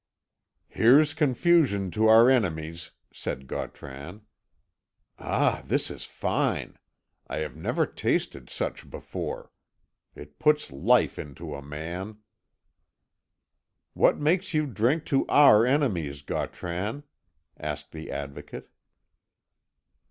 "Here's confusion to our enemies," said Gautran. "Ah, this is fine! I have never tasted such before. It puts life into a man." "What makes you drink to our enemies, Gautran?" asked the Advocate.